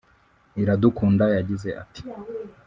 Iradukunda yagize ati